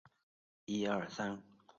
锡山区东北塘镇政府网站